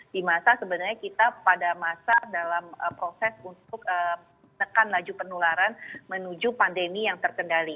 di masa sebenarnya kita pada masa dalam proses untuk menekan laju penularan menuju pandemi yang terkendali